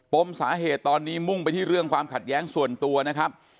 มสาเหตุตอนนี้มุ่งไปที่เรื่องความขัดแย้งส่วนตัวนะครับ